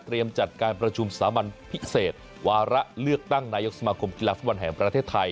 จัดการประชุมสามัญพิเศษวาระเลือกตั้งนายกสมาคมกีฬาฟุตบอลแห่งประเทศไทย